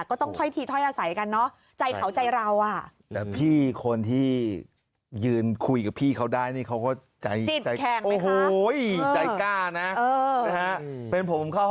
ก็ต้องถอยทีถอยอาศัยกัน